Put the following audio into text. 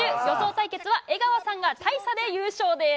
対決は、江川さんが大差で優勝です。